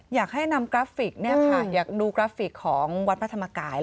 อยากให้นำกราฟิกอยากดูกราฟิกของวัดพระธรรมกาย